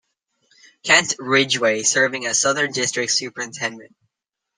Kent Ridgway serving as Southern District Superintendent.